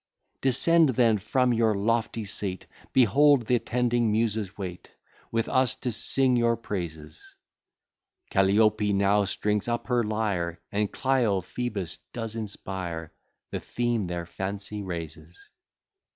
Descend then from your lofty seat, Behold th' attending Muses wait With us to sing your praises; Calliope now strings up her lyre, And Clio Phoebus does inspire, The theme their fancy raises.